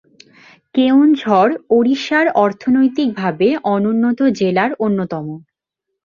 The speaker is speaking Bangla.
কেওনঝড় ওড়িশার অর্থনৈতিকভাবে অনুন্নত জেলার অন্যতম।